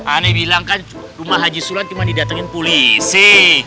ani bilang kan rumah haji sulan cuma didatengin polisi